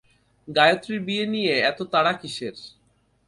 গায়ত্রীর বিয়ে নিয়ে এত তাড়া কীসের?